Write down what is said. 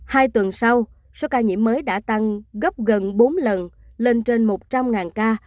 hai tuần sau số ca nhiễm mới đã tăng gấp gần bốn lần lên trên một trăm linh ca